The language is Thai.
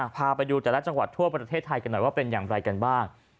พาไปดูแต่ละจังหวัดทั่วประเทศไทยกันหน่อยว่าเป็นอย่างไรกันบ้าง